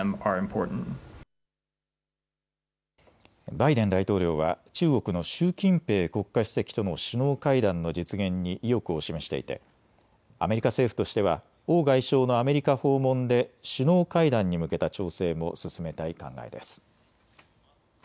バイデン大統領は中国の習近平国家主席との首脳会談の実現に意欲を示していてアメリカ政府としては王外相のアメリカ訪問で首脳会談に向けた調整も進めたい考えです。